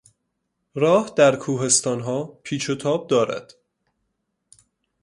راه در کوهستانها پیچ و تاب دارد.